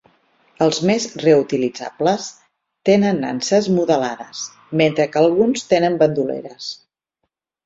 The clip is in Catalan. Els més reutilitzables tenen nanses modelades, mentre que alguns tenen bandoleres.